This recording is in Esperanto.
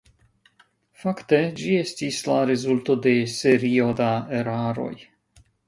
Fakte ĝi estis la rezulto de serio da eraroj.